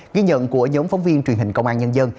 ghi nhận của giống phóng viên truyền hình công an nhân dân